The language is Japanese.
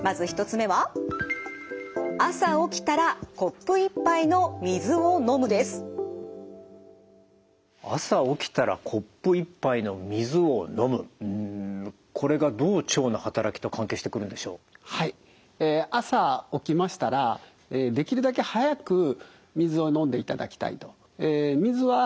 え朝起きましたらできるだけ早く水を飲んでいただきたいと。